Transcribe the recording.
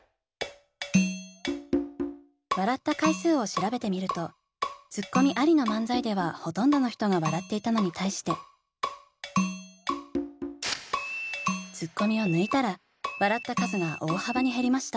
笑った回数を調べてみるとツッコミありの漫才ではほとんどの人が笑っていたのに対してツッコミを抜いたら笑った数が大幅に減りました。